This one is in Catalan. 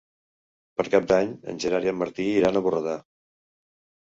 Per Cap d'Any en Gerard i en Martí iran a Borredà.